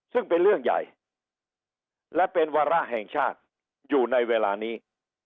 ซึ่งเป็นเรื่องใหญ่และเป็นวาระแห่งชาติอยู่ในเวลานี้